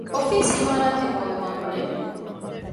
އޮފީސް އިމާރާތެއް ހޯދުމާ ގުޅޭ